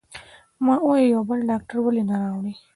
ما وویل: یو بل ډاکټر ولې نه راولئ؟